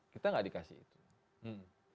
kita nggak dikasih itu